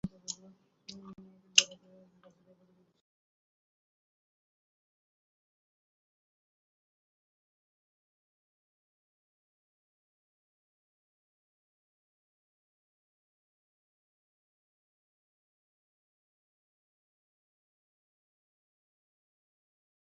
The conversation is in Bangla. তোমার কী হল?